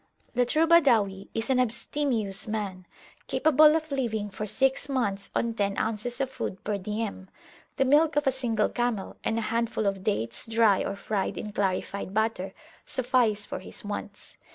The true Badawi is an abstemious man, capable of living for six months on ten ounces of food per diem; the milk of a single camel, and a handful of dates, dry or fried in clarified butter, suffice for his wants.